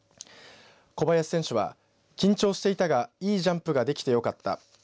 小林選手は緊張していたがいいジャンプができてよかった。